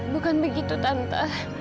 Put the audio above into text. bukan begitu tante